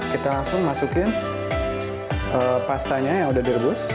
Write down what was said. kita langsung masukin pastanya yang udah direbus